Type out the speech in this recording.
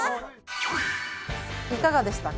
いかがでしたか？